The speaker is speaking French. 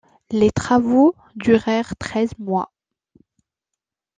Les travaux durèrent treize mois.